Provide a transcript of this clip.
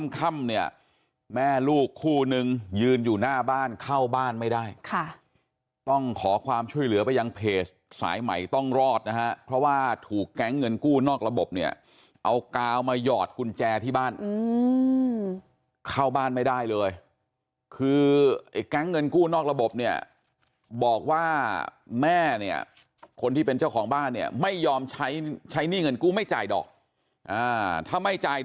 ค่ำเนี่ยแม่ลูกคู่นึงยืนอยู่หน้าบ้านเข้าบ้านไม่ได้ค่ะต้องขอความช่วยเหลือไปยังเพจสายใหม่ต้องรอดนะฮะเพราะว่าถูกแก๊งเงินกู้นอกระบบเนี่ยเอากาวมาหยอดกุญแจที่บ้านเข้าบ้านไม่ได้เลยคือไอ้แก๊งเงินกู้นอกระบบเนี่ยบอกว่าแม่เนี่ยคนที่เป็นเจ้าของบ้านเนี่ยไม่ยอมใช้ใช้หนี้เงินกู้ไม่จ่ายดอกถ้าไม่จ่าย